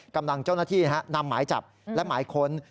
กำลังเจ้าหน้าที่นำหมายจับและหมายค้น